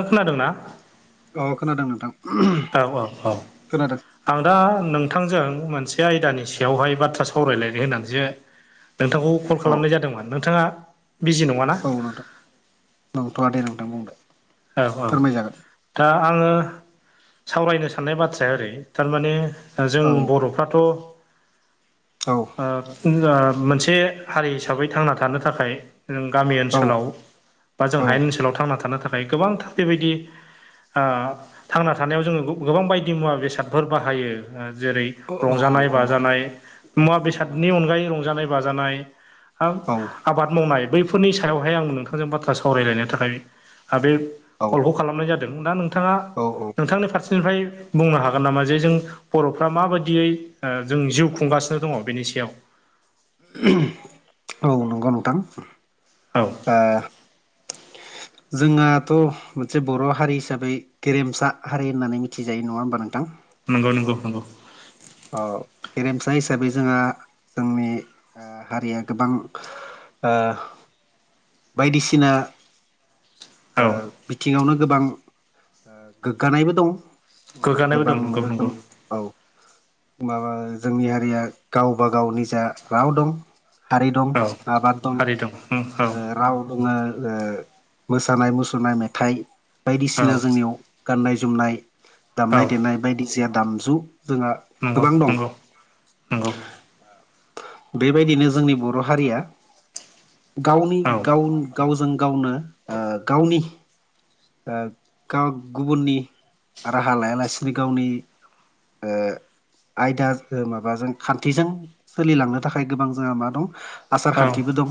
खोनादों ना? अ खोनादों नोंथां। औ औ औ। खोनादों आं दा नोंथांजों मोनसे आयदानि सायावहाय बाथ्रा सावरायलायनो होन्नानैसो नोंथांखौ कल औ खालामनाय जादोंमोन। नोंथाङा बिजि नङाना? नंथ'वा दे नोंथां बुंदो। औ औ। फोरमायजागोन दा आङो सावरायनो साननाय बाथ्राया ओरै थारमाने दा जों औ बर'फ्राथ' औ ओ फुंजा मोनसे हारि हिसाबै थांना थानो थाखाय जों गामि ओनसोलाव बा जों औ हायेन ओनसोलाव थांना थानो थाखाय गोबांथार बेबायदि ओ थांना थानायाव जोङो गो गोबां बायदि मुवा बेसादफोर बाहायो। ओ जेरै औ औ रंजानाय औ बाजानाय। मुवा नंगौ बेसादनि नोंथां अनगायै रंजानाय बाजानाय हा औ आबाद मावनाय बैफोरनि सायावहाय आं नोंथांजों बाथ्रा सावरायलायनो थाखाय हा बे औ कलखौ खालामनाय जादों। दा नोंथाङा औ औ नोंथांनि फारसेनिफ्राय बुंनो हागोन नामा जे जों बर'फ्रा माबादायदियै ओ जों जिउ खुंगासिनो दङ बेनि सायाव। औ नंगौ नोंथां। औ। आ जोंनााथ' मोनसे बर' हारि हिसाबै गेरेमसा हारि होननानै मिथिजायो नङा होमबा नोंथां? नोंगौ नोंगौ नोंगौ। औ गेरेमसा हिसाबै जोंहा जोंनि ओ हारिया गोबां ओ बायदिसिना ओ औ बिथिङावनो गोबां ओ गोग्गानायबो दं। ओ गोग्गानायबो दं गोबां नंगौ नंगौ रोखोम औ माबा जोंनि हारिया गावबा गाव निजा राव दं। हारि दं औ आबाद दं हारि उम औ ओ राव दङ ओ मोसानाय मुसुरनाय मेथाइ औ बायदिसिना जोंनियाव गाननाय जोमनाय औ दामनाय देनाय बायदि जेआ दामजु जोंहा नंगौ गोबां दं। नंगौ नंगौ आ बेबायदिनो जोंनि बर' हारिया गावनि औ गाव गावजों गावनो ओ गावनि ओ गाव गुबुननि राहा लायालासिनो गावनि ओ आयदा ओ माबाजों खान्थिजों सोलिलांनो थाखाय गोबां जोंहा मा दं आसार औ खान्थिबो दं।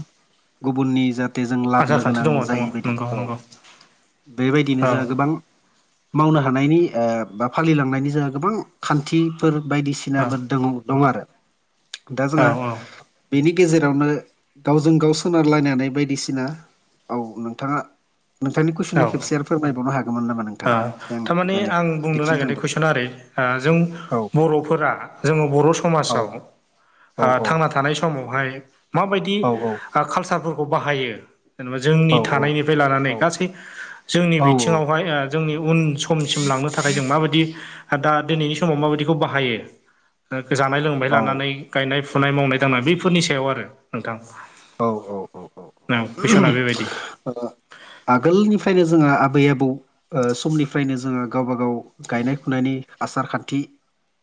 गुबुननि जा थे जों आसार लाबोननो खान्थि गोनां दङ दङ जायै बायदि नंगौ औ। नंगौ औ बेबायदिनो जोंहा गोबां मावनो हानायनि ओ बा फालिलांनायनि जोंहा गोबां खान्थिफोर बायदिस औ सिनाबो द दं आरो दा जोंहा औ बेनि गेजेरावनो गावजों गाव सोनारलायनानै बायदिसिना औ नोंथाङा नोंथांनि औ कुइसनखौ खेबसे आरो फोरमायबावनो हागमोन नामा नोंथां ओ थारमाने आं बुंनो नागिरनाय कुइसना ओरै ओ जों औ औ बर'फोरा जोङो बर' औ समाजाव ओ औ थांना थानाय समावहाय माबायदि औ कालसारफोरखौ बाहायो जेनेबा औ जोंनि थानायनिफ्राय लानानै औ गासै जोंनि औ औ बिथिङाव [unintelligible] जोंनि नंगौ उन नोंथां। समसिम लांनो थाखाय जों माबायदि दा दिनैनि समाव माबादिखौ बाहायो जानाय लोंनाय औ लानानै गायनाय फुनाय मावनाय दांनाय बेफोरनि सायाव आरो नोंथां। औ औ औ औ कुइसना बेबायदि ओ आगोलनिफ्रायनो जोंहा आबै आबौ समनिफ्रायनो जोंहा गावबा गाव गायनाय फुनायनि आसार खान्थि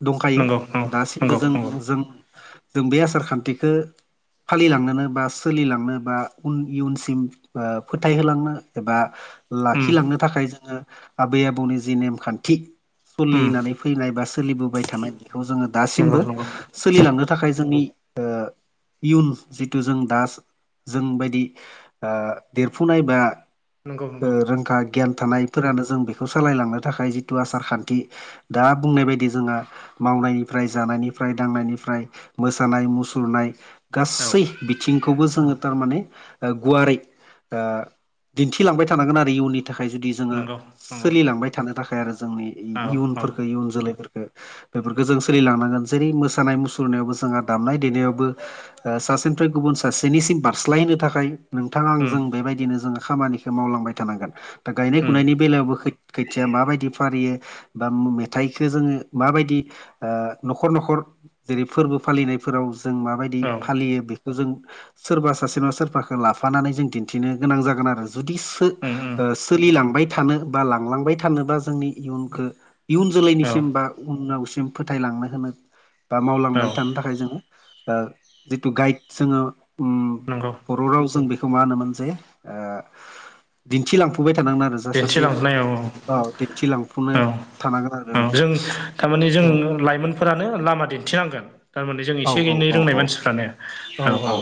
दंखायो नंगौ नंगौ दासिमबो नंगौ जों नंगौ जों जों बे आसार खान्थिखौ फालिलांनोनो बा सोलिलांनो बान इयुनसिम फोथायहोलांनो एबा उम लाखिलांनो थाखाय जोङो आबै आबौनि जे नेमखान्थि उम सोलिनानै फैनाय बा सोलिबोबाय थानाय बेखौ जोङो नंगौ दासिमबो औ नंगौ सोलिलांनो थाखाय जोंनि ओ इयुन जि थु जों दा जों बायदि ओ देरफुनाय बा आ नंगौ ओ नंगौ रोंखा गियान थानायफोरानो जों बेखौ सालायलांनो थाखाय जिथु आसार-खान्थि दा बुंनाय बायदि जोंहा मावनायनिफ्राय जानायनिफ्राय दांनायनिफ्राय मोसानाय मुसुरनाय औ गासै बिथिंखौबो जोङो थारमाने गुवारै ओ दिन्थिलांबाय थानांगोन आरो इयुननि थाखाय जुदि जोङो नंगौ नंगौ सोलिलांबाय थानो थाखाय आरो जोंनि औ औ इयुनफोरखौ इ-इयुन जोलैफोरखौ बेफोरखौ जों सोलिलांनांगोन जेरै मोसानाय मुसुरनायावबो जोंहा दामनाय देनायावबो ओ सासे गुबुन सासेनिसिम बारस्लायहोनो थाखाय नोंथांङा आं उम जों बेबायदिनो जों खामानिखौ ओ मावलांबाय थानांगोन दा गायनाय उम फुनायनि बेलायावबो खैथिया माबायदि फारियै बा मेथाइखो जोङो माबायदि ओ न'खर न'खर जेरै फोरबो फालिनायफोराव जों माबायदि औ फालियो बे जों सोरबा सासे नङा सोरबाखौ लाफानानै जों दिन्थिनो गोनां जागोन आरो जुदि उम उम सोलिलांबाय थानो बा लांलांबाय थानोबा जोंनि इयुनखौ ओ इयुन औ जोलैनिसिम बा उनावसिम फोथायलांनो होनो बा औ मावलांबाय थानो थाखाय जोङो जिथु गाइड जोङो ओ नंगौ बर' रावजों बेखौ मा होनोमोन जे ओ दिन्थिलांफाय थानांगोन आरो जा सासे औ ओ दिन्थिलांफुनो थानांगोन आरो बेबायदि थारमानि जों औ लाइमोनफोरानो लामा दिन्थिनांगोन आ थारमाने जों औ एसे औ एनै रोंनाय औ मानसिफ्रानो ओ औ औ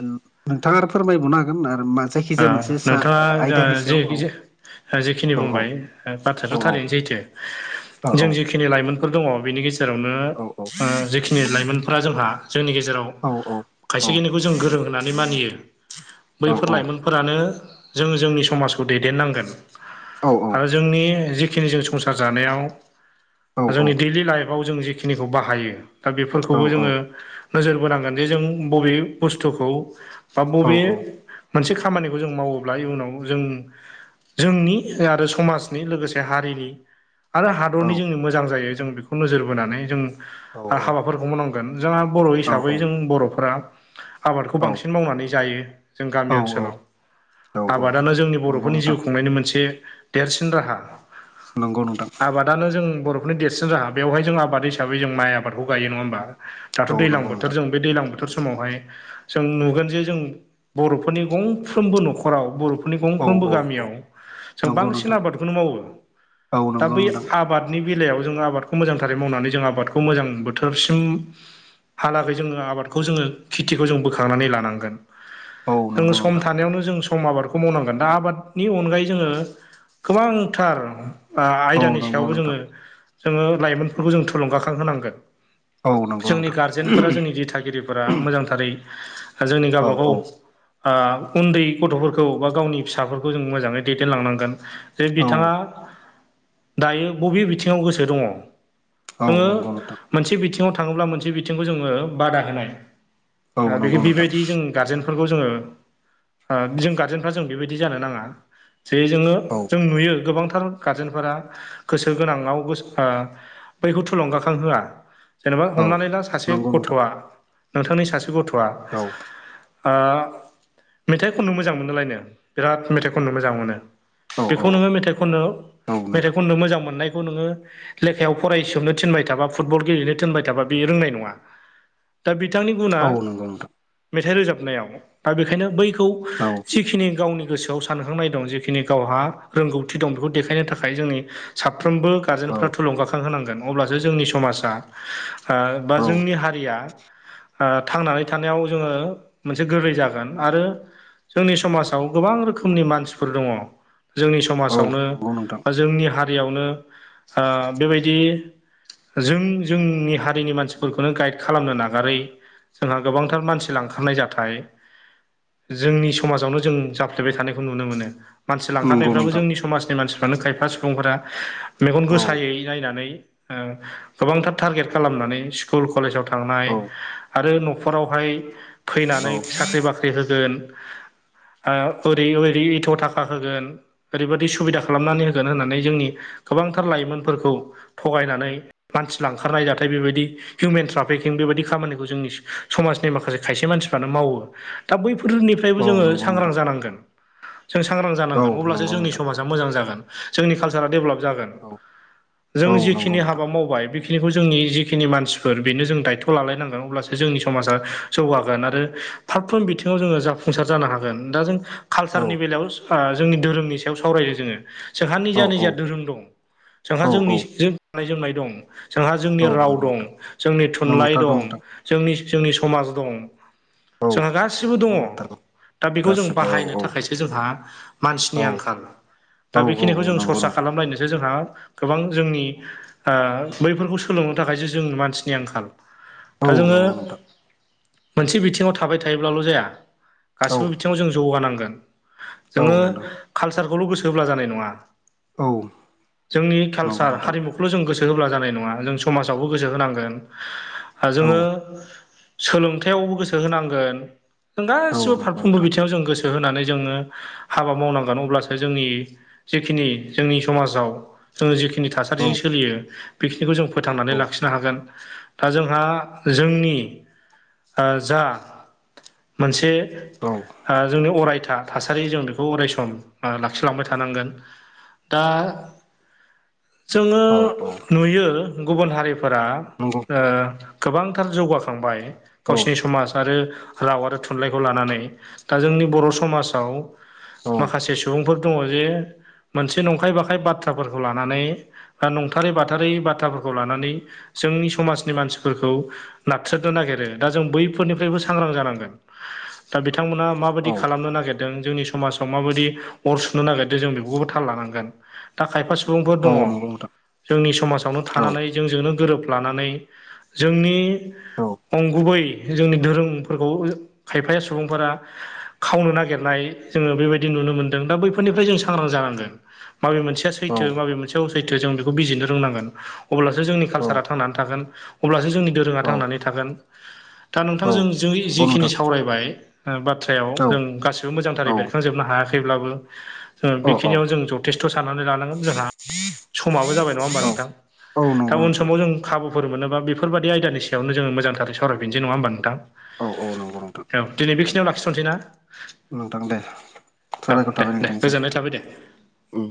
ओ नोंथाङा आरो फोरमायबावनो हागोन आरो म नोंथाङा जा औ जेखि जे अ जेखिनि औ औ बुंबाय औ बाथ्रायाथ' थारैनो सैथो औ जों जिखिनि लाइमोनफोर दङ बेनि गेजेरावनो औ जेखिनि लाइमोनफोरा जोंहा जोंनि गेजेराव अ औ। खायसे औ खिनिखौ जों गोरों होननानै मानियो औ बैफोर लाइमोन फोरानो जों जोंनि समाजखौ दैदेननांगोन। औ औ। आरो जोंनि जिखिनि जों संसार जानायाव औ औ औ जोंनि दैलि लाइफआव जों जिखाखौ खौ बाहायो दा बेफोरखौबो जोङो नोजोर बोनांगोन जे जों बबे बुस्थुखौ बा बबे मोनसे खा खामानिखौ जों मावोब्ला इयुनाव जों जोंनि आरो समाजनि लोगोसे हारिनि आरो हादरनि जोंनि मोजां जायो जों बेखौबो नोजोर बोनानै जों आरो हाबाफोरखौ मावनांगोन जोंहा बर' हिसाबै जों बर'फोरा आबादखौ बांसिन मावनानै जायो जों गामि ओनसोलाव आबादानो जोंनि नंगौ बर'फोरनि नोंथां जिउ खुंनायनि मोनसे देरसिन राहा नंगौ नोंथां। आबादानो जों बर'फोरनि देरसिन राहा बेवहाय जों आबाद हिसाबै जों माइ आबादखौ गायो नङा होमबा? दाथ' औ दैज्लां नंगौ नोंथां बोथोर जों बे दैज्लां बोथोर समावहाय जों नुगोन जे जों बर'फोरनि गं गंफ्रोमबो न'खराव बर'फोरनि औ गंफ्रोमबो औ गामियाव जों नंगौ नोंथां बांसिन आबादखौनो मावो। औ दा नंगौ बै नोंथां आबादनि बेलायाव जों आबादखौ मोजांथारै मावनानै जों आबादखौ मोजां बोथोरसिम हालागै जोङो आबादखौ जोङो खेथिखौ जों बोखांनानै लानांगोन औ जोङो नंगौ सम नोंथां थानायावनो जों सम आबादखौ मावनांगोन दा आबादनि अनगायै जोङो गोबांथार औ आयदानि नंगौ सायावबो नोंथां जोङो। जोङो लाइमोनफोरखौ जों थुलुंगाखांहोनांगोन औ नंगौ जोंनि नोंथां गारजेनफोरा जोंनि दिथागिरि फोर मोजांथारै जोंनि औ गावबागाव औ अ उन्दै गथ'फोरखौ बा गावनि फिसाफोरखौ जों मोजाङै दैदेनलांनांगोन। जे औ बिथाङा दायो बबे बिथिङाव गोसो दङ? औ जोङो नंगौ नोंथां मोनसे बिथिङाव थाङोब्ला मोनसे बिथिंखौ जोङो बादा होनाय औ नंगौ नोंथां बेबायदि जों गारजेनफोरखौ जोङो ओ जों गारजेनफ्रा जों बेबायदि जानो नाङा। जे जोङो औ जों नुयो गोबांथार गारजेनफोरा गोसो गोनांङाव गोसो ओ बैखौ थुलुंगाखांहोआ जेनेबा औ हमनानै ला सासे नंगौ नोंथां गथ'आ नोंथांनि सासे गथ'आ औ आ मेथाइ खननो मोजां मोनालायनो बिराद मेथाइ खननो मोजां मोनो औ औ बेखौ नोङो मेथाइ खननो ओ औ मेथाइ नोंथां खननो मोजां मोननायखौ नोङो लेखायाव फरायसोमनो थिनबाय थाबा फुटबल गेलेनो थिनबाय थाबा बेयो रोंनाय नङा। दा बिथांनि गुना औ नंगौ नोंथां मेथाइ रोजाबनायाव दा बेखायनो बैखौ औ सि जिखिनि गावनि गोसोआव सानखांनाय दं जिखिनि गावहा रोंगौथि दं बेखौ देखायनो थाखाय जोंनि साफ्रोमबो औ गारजेनफ्रा थुलुंगाखां होनांगोन अब्लासो जोंनि समाजा बा औ जोंनि हारिया थांनानै थानायाव जोङो मोनसे गोरलै जागोन। आरो जोंनि समाजाव गोबां रोखोमनि मानसिफोर दङ। जोंनि औ समाजावनो नंगौ नोंथां बा जोंनि हारियावनो बेबादि जों जोंनि हारिनि मानसिफोरखौनो गाइड खालामनो नागारै। जोंहा गोबांथार मानसि लांखारनाय जाथाय जोंनि समाजावनो जों जाफ्लेबाय थानायखौ नुनो मोनो। मानसि नंगौ लांखारनायफ्राबो नोंथां जोंनि समाजनि मानसिफ्रानो खायफा सुबुंफोरा मेगन औ गोसायै नायनानै ओ गोबांथार टारगेट खालामनानै स्कुल कलेजाव थांनाय औ आरो न'खरावहाय औ फैनानै। साख्रि होगोन ओरै ओरै एथ थाखा होगोन अ ओरैबायदि सुबिदा खालामनानै होगोन होननानै जोंनि गोबांथार लाइमोनफोरखौ थगायनानै अ मानसि लांखारनाय जाथाय बेबादि हिउमेन ट्राफिकिं बेबायदि खामानिखौ जोंनि समाजनि माखासे खायसे मानसिफ्रानो मावो। दा बैफोरनिफ्रायबो औ जोङो नंगौ सांग्रां नोंथां जानांगोन। जों सांग्रां औ जानांगोन अब्लासो नंगौ जोंनि नोंथां समाजा मोजां जागोन जोंनि कालसारा डेभलप जागोन। औ जों औ नंगौ जिखिनि नोंथां हाबा मावबाय बेखिनिखौ जोंनि जिखिनि मानसिफोर बेनो जों दायथ लालायनांगोन अब्लासो जोंनि समाजा जौगागोन आरो ओ फारफ्रोम बिथिङाव जोङो जाफुंसार जानो हागोन दा जों औ कालसारनि बेलायाव जोंनि धोरोमनि सावरायदों जोङो जोंहानिज औ निजहा धोरोम दं। जोंहा औ औ जोंनि जों गाननाय-जोमनाय दं। जोंहा जोंनि औ राव नंगौ दं नोंथां जोंनि थुनलाइ नंथारगौ दं नोंथां जोंनि जोंनि समाज दं। औ जोंहा गासिबो दङ नंगौ नंथारगौ दा बेखौ जों गासिबो बाहायनो औ थाखायसो जोंहा मानसिनि औ आंखाल। औ दा बेखिनिखौ औ जों नंगौ सरसा नोंथां खालामलायनोसो जोंहा गोबां जोंनि बैफोरखौ सोलोंनो थाखायसो जों मानसिनि आंखाल औ दा जोङो नंगौ नोंथां मोनसे बिथिङाव थाबाय थायोब्लाल जाया औ गासिबो बिथिङाव जों जौगानांगोन औ जोङो नोंथां कालसारखौ खौल गोसो होब्ला जानाय नङा। औ। [inaudible] जोंनि नंगौ कालसार नोंथां हारिमुखौल जों गोसो होब्ला जानाय नङा जों समाजावबो गोसो होनांगोन। औ जोङो सोलोंथायाइावबो गोसो होनांगोन जों गासै औ गासिबो नंगौ फारफ्रोमबो नोंथां बिथिङाव जों गोसो होनानै जोङो हाबा मावनांगोन अब्लासो जोंनि जिखिनि जोंनि समाजाव जोंङो जिखिनि औ थासारिजों सोलियो बेखिनिखौ जों फोथांनानै औ लाखिनो हागोन दा जोंहा जोंनि जा मोनसे जोंनि अरायथा थासारि जों बेखौ अरायसम लाखिलांबाय थानांगोन दाया जोंङो औ औ नुयो गुबुन हारिफोरा नंगौ ओ गोबांथार जौगाखांबाय औ गावसिनि समाज आरो ओ राव आरो थुनलाइखौ लानानै दा जोंनि बर' समाजाव औ माखासे सुबुंफोर दङ जे मोनसे नंखाय बाखाय बाथ्राफोरखौ लानानै नंथारै बाथारै बाथ्राफोरखौ लानानै जोंनि समाजनि मानसिफोरखौ नारथ्रनो नागिरो दा जों बैफोरनिफ्रायबो सांग्रां जानांगोनसो। दा बिथांमोना माबायदि औ खालामनो नागिरदों जोंनि समाजाव माबादि अर सुनो नागिरदों जों बेखौबो थाल लानांगोन दा खायफा सुबुंफोर औ दंङ। नंगौ नोंथां जोंनि समाजावनो औ थानानै जोंजोंनो गोरोब लानानै जोंनि औ नंगौ नोंथां औ अंगुबै जोंनि धोरोमफोरखौ खायफाया सुबुंफोरा खावनो नागिरनाय जोंङो बेबायदि नुनो मोनदों दा बैफोरनिफ्राय जों सांग्रां जानांगोन माबे मोनसे मोनसेया औ सैथो माबे मोनसे अ सैथो जों बेखौ बिजिरनो रोंनांगोन अब्लासो जोंनि कालसारा थांनानै थागोन। अब्लासो जोंनि दोरोङा थांनानै थागोन दा नोंथांजों जों जिखिनि सावरायबाय बाथ्रायाव जों गासिबो मोजांथारै बेरखांजोबनो हायाखैब्लाबो बेखिनियाव जों जथाय थेस्थ साननानै लानांगोन जोंहा समाबो जाबाय नङा होमबा नोंथां? औ दा नंगौ उन नोंथां समाव जों खाबुफोर मोनोबा बेफोरबायदि आयदानि सायावनो मोजांथार सावरायफिसै नंङा होमबा नोंथां? औ औ नंगौ नोंथां। औ दिनै बेखिनियाव लाखिथ'नोसै ना? नोंथां दे औ साबायखर दे थाबाय दे नोंथांनिसिम गोजोननाय थाबाय दे नोंथां। उम